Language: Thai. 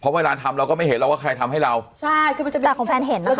เพราะเวลาทำเราก็ไม่เห็นเราก็คลัยทำให้เราใช่คือว่าคงแผนเห็น